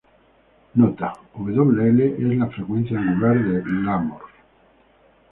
Nota: wL es la frecuencia angular de Larmor.